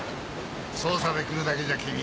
捜査で来るだけじゃ君